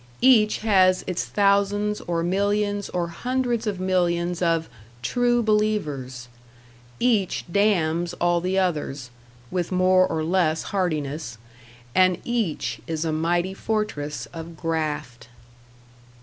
Each has its thousands or millions or hundreds of millions of "true believers"; each damns all the others, with more or less heartiness and each is a mighty fortress of Graft.